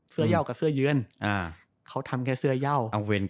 เสื้อย่าวกับเสื้อยื่นเขาทำแค่เสื้อย่าว